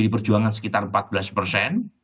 pdi perjuangan sekitar empat belas persen